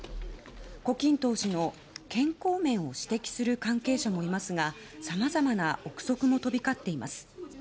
胡錦涛氏の健康面を指摘する関係者もいますがさまざまな憶測も飛び交っています。